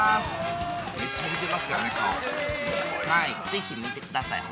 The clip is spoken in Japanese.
ぜひ、ご覧ください！